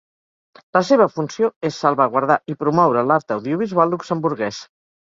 La seva funció és salvaguardar i promoure l'art audiovisual luxemburguès.